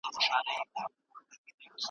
که ساینس وي نو جهالت نه خپریږي.